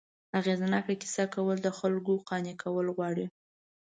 اغېزناکه کیسه کول، د خلکو قانع کول غواړي.